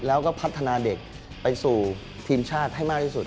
แล้วก็พัฒนาเด็กไปสู่ทีมชาติให้มากที่สุด